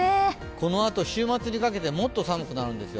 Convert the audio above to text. このあと週末にかけてもっと寒くなるんですよ。